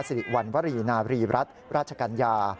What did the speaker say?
สิริวัณวรีนาบรีรัฐราชกัญญา